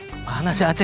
kemana si aceh